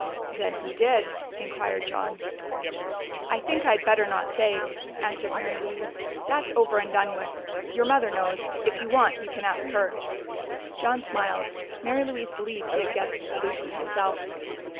"Then who did?" inquired John. "I think I had better not say," answered Mary Louise. "That's over and done with. Your mother knows if you want, you can ask her." John smiled. Mary Louise believed he had guessed the solution himself.